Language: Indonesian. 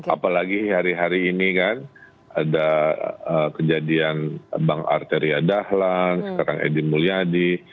apalagi hari hari ini kan ada kejadian bang arteria dahlan sekarang edi mulyadi